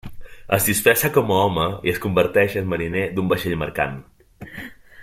Es disfressa com a home i es converteix en mariner d'un vaixell mercant.